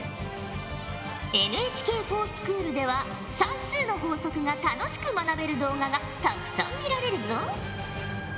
ＮＨＫｆｏｒＳｃｈｏｏｌでは算数の法則が楽しく学べる動画がたくさん見られるぞ。